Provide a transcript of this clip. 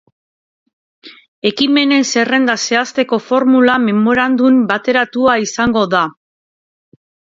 Ekimenen zerrenda zehazteko formula memorandum bateratua izango da.